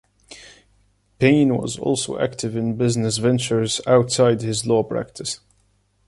Payne was also active in business ventures outside his law practice.